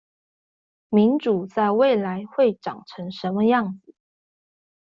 民主在未來會長成什麼樣子？